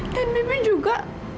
dan bibi juga